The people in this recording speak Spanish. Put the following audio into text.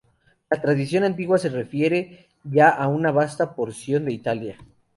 La tradición antigua se refiere ya a una vasta porción de Italia.